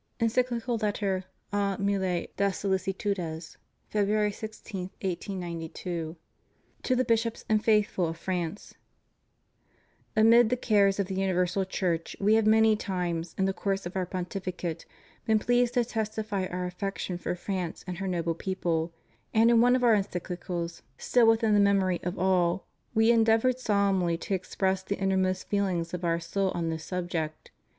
Encyclical Letter Au Milieu des Sollicitudes, February 16, 1892. To THE Bishops and Faithful of France: Amid the cares of the universal Church We have many times, in the course of Our Pontificate, been pleased to testify Our affection for France and her noble people, and in one of Our Encyclicals, still within the memory of all, We endeavored solemnly to express the innermost feelings of Our soul on this subject.